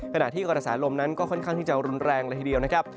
ขณะที่กระแสลมนั้นก็ค่อนข้างที่จะรุนแรงเลยทีเดียวนะครับ